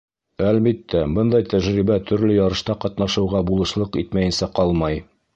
Әлбиттә, бындай тәжрибә төрлө ярышта ҡатнашыуға булышлыҡ итмәйенсә ҡалмай.